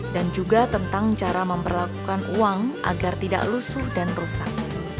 dan juga tentang cara memperlakukan uang agar tidak lusuh dan rusak